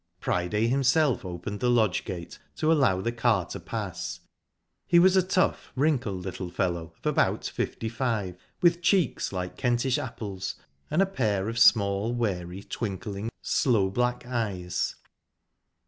Priday himself opened the lodge gate to allow the car to pass. He was a tough, wrinkled little fellow of about fifty five, with cheeks like Kentish apples, and a pair of small, wary, twinkling, sloe black eyes.